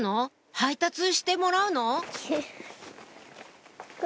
配達してもらうの？